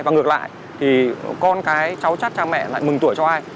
và ngược lại thì con cái cháu chát cha mẹ lại mừng tuổi cho ai